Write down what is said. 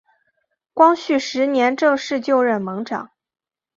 光绪十年正式就任盟长。